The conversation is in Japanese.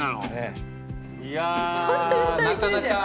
いやなかなか。